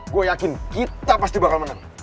gue yakin kita pasti bakal menang